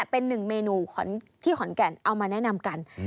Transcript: เป็นหนึ่งเมนูที่ขอนแก่นเอามาแนะนำกัน